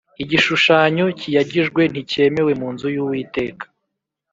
igishushanyo kiyagijwe ntikemewe mu nzu y'uwiteka